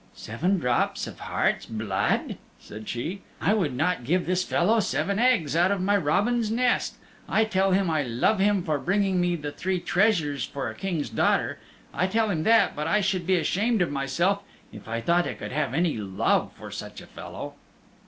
"Seven drops of heart's blood," said she. "I would not give this fellow seven eggs out of my robin's nest. I tell him I love him for bringing me the three treasures for a King's daughter. I tell him that, but I should be ashamed of myself if I thought I could have any love for such a fellow."